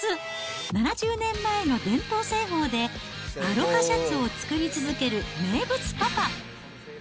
７０年前の伝統製法でアロハシャツを作り続ける名物パパ！